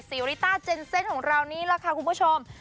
ริต้าเจนเซ่นของเรานี่แหละค่ะคุณผู้ชม